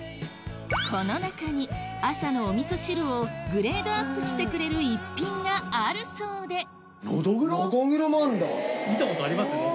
この中に朝のお味噌汁をグレードアップしてくれる逸品があるそうで見たことあります？